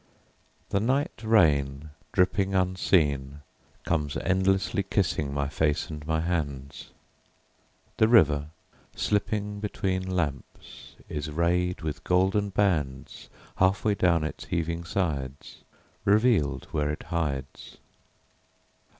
THE NIGHT rain, dripping unseen, Comes endlessly kissing my face and my hands. The river, slipping betweenLamps, is rayed with golden bandsHalf way down its heaving sides; Revealed where it hides.